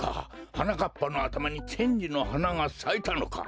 はなかっぱのあたまにチェンジのはながさいたのか！